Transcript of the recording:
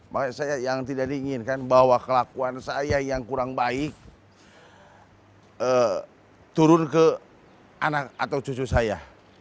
makanya saya yang tidak diinginkan bahwa kelakuan saya yang kurang baik turun ke anak atau cucu saya